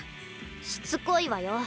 しつこいわよ。